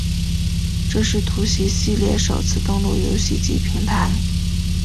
这是突袭系列首次登陆游戏机平台。